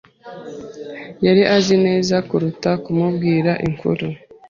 Yari azi neza kuruta kumubwira inkuru.